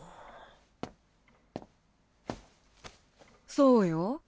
そうよ。